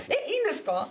いいんですか？